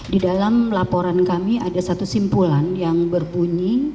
di dalam laporan kami ada satu simpulan yang berbunyi